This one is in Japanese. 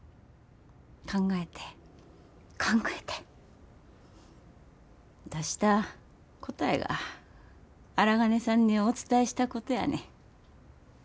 考えて考えて出した答えが荒金さんにお伝えしたことやねん。